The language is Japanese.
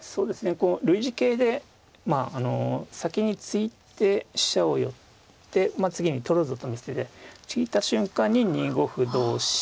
この類似形で先に突いて飛車を寄ってまあ次に取るぞと見せて突いた瞬間に２五歩同飛車